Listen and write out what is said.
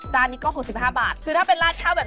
ราดข้าวราดข้าว๓๖๕บาท